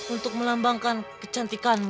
untuk melambangkan kecantikanmu